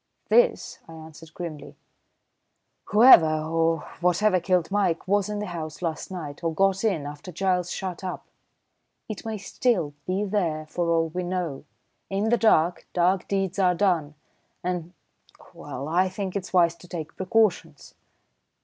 "This," I answered grimly. "Whoever, or whatever killed Mike was in the house last night, or got in, after Giles shut up. It may still be there for all we know. In the dark, dark deeds are done, and well, I think it's wise to take precautions."